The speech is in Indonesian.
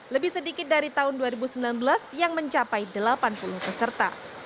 lebih sedikit dari tahun dua ribu sembilan belas yang mencapai delapan puluh peserta